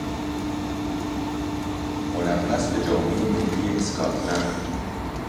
ملبس به جامهی ملی اسکاتلند